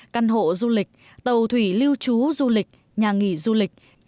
căn hộ du lịch tàu thủy lưu trú du lịch nhà nghỉ du lịch